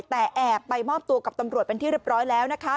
แต่แอบไปมอบตัวกับตำรวจเป็นที่เรียบร้อยแล้วนะคะ